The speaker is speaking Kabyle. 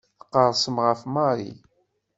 Tqerrsem ɣef Mary.